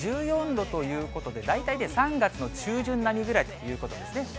１４度ということで、大体ね、３月の中旬並みぐらいということですね。